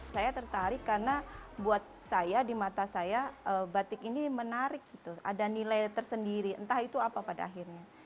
saya tertarik karena buat saya di mata saya batik ini menarik gitu ada nilai tersendiri entah itu apa pada akhirnya